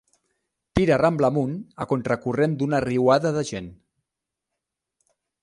Tira Rambla amunt a contracorrent d'una riuada de gent.